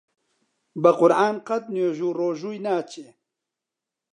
بە قورعان قەت نوێژ و ڕۆژووی ناچێ!